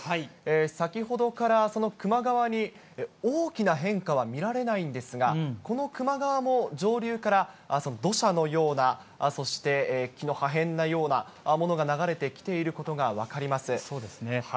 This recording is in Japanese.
先ほどから、その球磨川に大きな変化は見られないんですが、この球磨川も上流から、土砂のような、そして木の破片のようなものが流れてきていることが分かります。